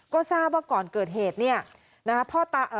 ก็ทราบว่าก่อนเกิดเหตุนี่นะคะ